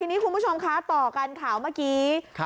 ทีนี้คุณผู้ชมค่ะต่อการข่าวเมืองเมื่อกี้